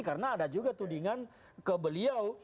karena ada juga tudingan ke beliau